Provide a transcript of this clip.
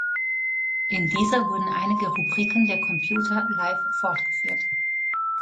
In dieser wurden einige Rubriken der Computer Live fortgeführt.